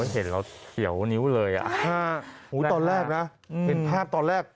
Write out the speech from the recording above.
เห็นแล้วเขียวนิ้วเลยอ่ะตอนแรกนะเห็นภาพตอนแรก